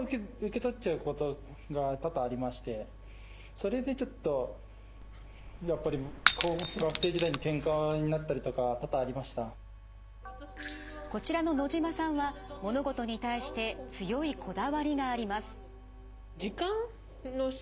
それでちょっとやっぱり学生時代にこちらの野島さんは物事に対して強いこだわりがあります。